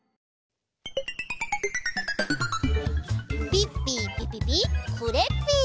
ピッピーピピピクレッピー！